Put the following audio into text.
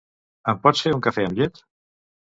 Em pots fer un cafè amb llet?